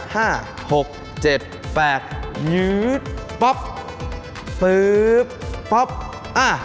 ห้าหกเจ็บแปดยืดป๊อบปึ๊บป๊อบอ่า